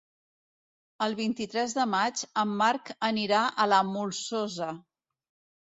El vint-i-tres de maig en Marc anirà a la Molsosa.